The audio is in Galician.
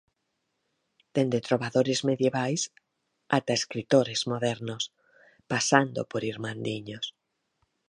Dende trobadores medievais ata escritores modernos, pasando por Irmandiños.